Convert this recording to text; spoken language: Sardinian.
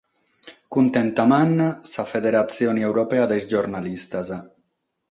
Cuntenta manna sa federatzione europea de is giornalistas.